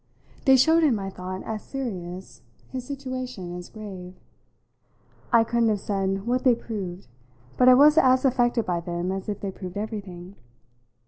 They showed him, I thought, as serious, his situation as grave. I couldn't have said what they proved, but I was as affected by them as if they proved everything.